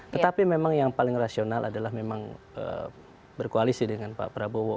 tetapi memang yang paling rasional adalah memang berkoalisi dengan pak prabowo